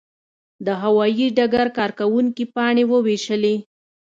د هوايي ډګر کارکوونکي پاڼې وویشلې.